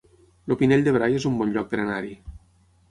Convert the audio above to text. El Pinell de Brai es un bon lloc per anar-hi